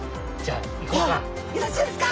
あっよろしいですか！